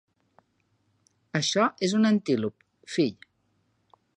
Això és un antílop, fill.